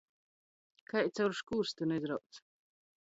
Kai caur škūrstynu izrauts.